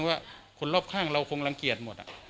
พอหายแล้วก็มาเครียดว่าคนรอบข้างเราคงรังเกียจหมด